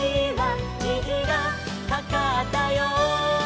「にじがかかったよ」